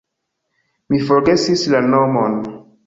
Mi forgesis la nomon.